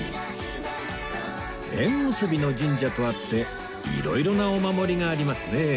縁結びの神社とあって色々なお守りがありますね